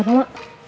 ada apa mak